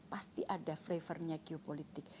pasti ada flavor nya geopolitik